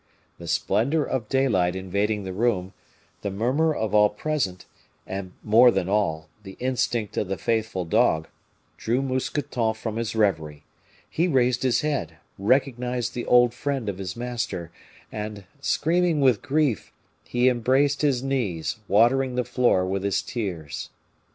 The splendor of daylight invading the room, the murmur of all present, and, more than all, the instinct of the faithful dog, drew Mousqueton from his reverie; he raised his head, recognized the old friend of his master, and, screaming with grief, he embraced his knees, watering the floor with his tears.